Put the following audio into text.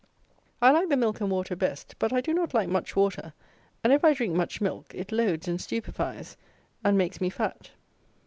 I like the milk and water best; but I do not like much water; and, if I drink much milk, it loads and stupefies and makes me fat.